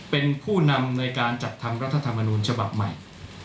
เป็นผู้นำในการจัดทำรัฐธรรมนูญฉบับใหม่